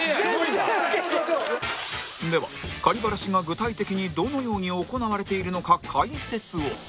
ではバラシが具体的にどのように行われているのか解説を